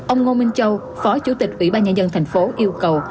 ông ngô minh châu phó chủ tịch ủy ban nhân dân thành phố yêu cầu